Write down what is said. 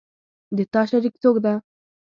د تا شریک څوک ده